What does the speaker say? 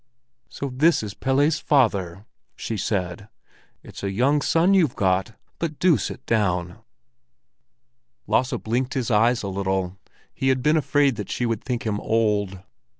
"So this is Pelle's father!" she said. "It's a young son you've got. But do sit down!" Lasse blinked his eyes a little. He had been afraid that she would think him old.